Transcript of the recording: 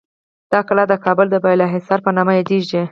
دا کلا د کابل د بالاحصار په نامه یادیږي.